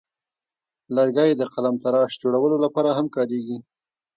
لرګی د قلمتراش جوړولو لپاره هم کاریږي.